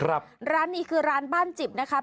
ร้านนี้คือร้านบ้านจิบนะครับ